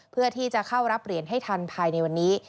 เพื่อที่จะเข้ารับเหรียญให้ทันภายในวันนี้